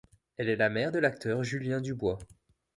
Elle est la mère de l'acteur Julien Dubois.